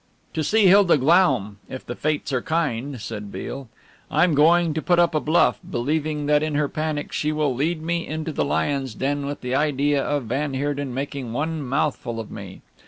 "To see Hilda Glaum if the fates are kind," said Beale. "I'm going to put up a bluff, believing that in her panic she will lead me into the lion's den with the idea of van Heerden making one mouthful of me.